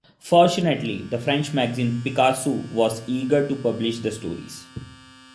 Fortunately, the French magazine "Picsou" was eager to publish the stories.